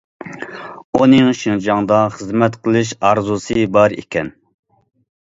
ئۇنىڭ شىنجاڭدا خىزمەت قىلىش ئارزۇسى بار ئىكەن.